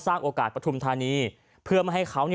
โอกาสปฐุมธานีเพื่อไม่ให้เขา